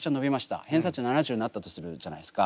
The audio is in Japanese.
偏差値７０になったとするじゃないですか。